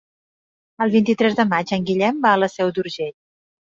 El vint-i-tres de maig en Guillem va a la Seu d'Urgell.